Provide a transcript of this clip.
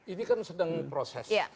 ini kan sedang proses